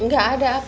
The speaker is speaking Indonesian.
ga ada apa apa